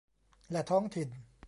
และท้องถิ่น